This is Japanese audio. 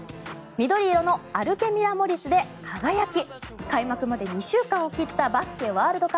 緑色のアルケミラモリスで輝き。